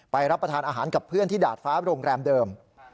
รับประทานอาหารกับเพื่อนที่ดาดฟ้าโรงแรมเดิม